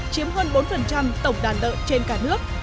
chiếm hơn bốn tổng đàn lợn trên cả nước